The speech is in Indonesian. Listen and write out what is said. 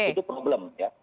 itu problem ya